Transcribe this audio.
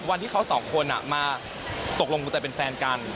วันที่เขาสองคนมาตกลงกุญแจเป็นแฟนกัน